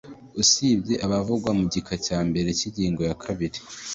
usibye abavugwa mu gika cya mbere cy ingingo ya kabiri